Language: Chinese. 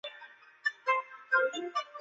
游戏开发历届版本